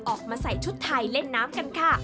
ออกมาใส่ชุดไทยเล่นน้ำกันค่ะ